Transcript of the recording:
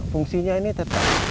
fungsinya ini tetap ada